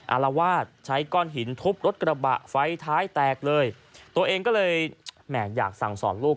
อารวาสใช้ก้อนหินทุบรถกระบะไฟท้ายแตกเลยตัวเองก็เลยแหม่อยากสั่งสอนลูก